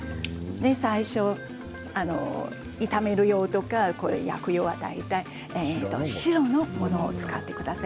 最初に炒める油、焼く用は大体白のものを使ってください。